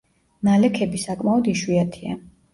ნალექები საკმაოდ იშვიათია.